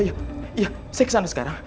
saya kesana sekarang